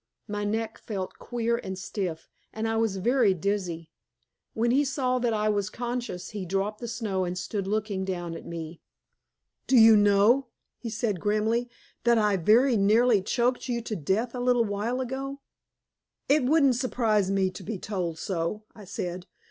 My neck felt queer and stiff, and I was very dizzy. When he saw that I was conscious he dropped the snow and stood looking down at me. "Do you know," he said grimly, "that I very nearly choked you to death a little while ago?" "It wouldn't surprise me to be told so," I said.